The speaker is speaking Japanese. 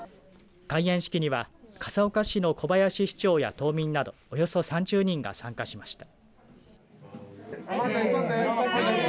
開園式には笠岡市の小林市長や島民などおよそ３０人が参加しました。